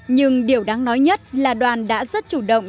nhưng điều đáng nói nhất là đoàn đã rất chủ động